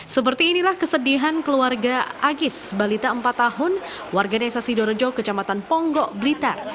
seperti inilah kesedihan keluarga agis balita empat tahun warga desa sidorejo kecamatan ponggok blitar